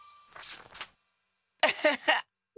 アハハッ！